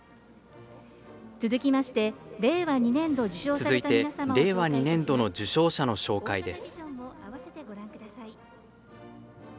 続いて、令和２年度の受賞者の紹介です。